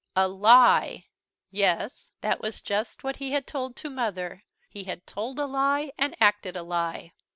A lie! Yes, that was just what he had told to Mother. He had told a lie, and acted a lie.